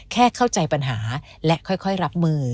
แค่เข้าใจปัญหาและค่อยรับมือ